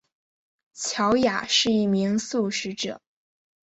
乔雅是一名素食者。